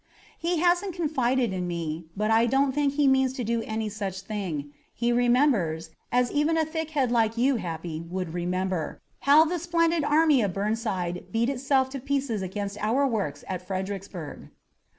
"He hasn't confided in me, but I don't think he means to do any such thing. He remembers, as even a thick head like you, Happy, would remember, how the splendid army of Burnside beat itself to pieces against our works at Fredericksburg."